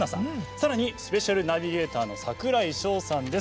さらにスペシャルナビゲーターの櫻井翔さんです。